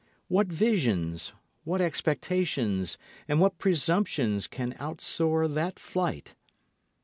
What visions, what expectations and what presumptions can outsoar that flight?